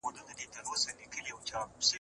هر څوک باید په خپل هېواد کي په امن وي.